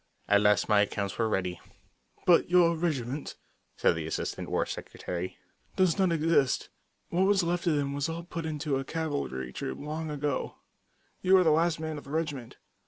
At last my accounts were ready. "But your regiment," said the Assistant War Secretary, "does not exist. What was left of them were all put into a cavalry troop long ago. _You are the last man of the regiment.